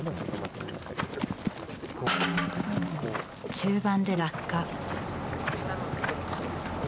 中盤で落下。